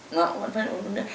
ngoạn phần uống đủ nước